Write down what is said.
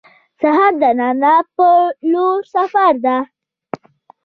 سهار د رڼا په لور سفر دی.